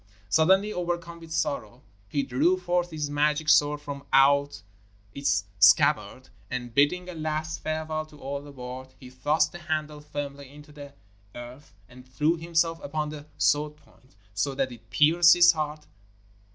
Suddenly overcome with sorrow, he drew forth his magic sword from out its scabbard, and, bidding a last farewell to all the world, he thrust the handle firmly into the earth and threw himself upon the sword point, so that it pierced his heart.